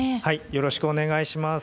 よろしくお願いします。